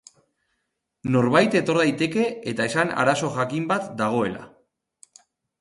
Norbait etor daiteke eta esan arazo jakin bat dagoela.